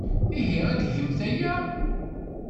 Ihi, ad tgemt aya?